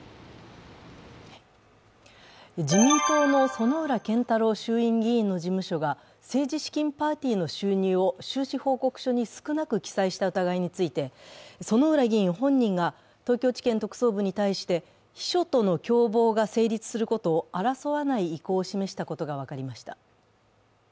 自民党の薗浦健太郎衆院議員の事務所が、政治資金パーティーの収入を収支報告書に少なく記載した疑いについて薗浦議員本人が東京地検特捜部に対して秘書との共謀が成立することを争わない意向を示したことが分かりました。